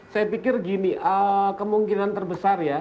saya pikir gini kemungkinan terbesar ya